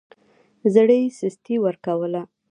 زړه يې سستي ورکوله.